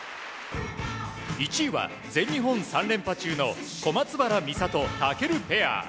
１位は全日本３連覇中の小松原美里、尊ペア。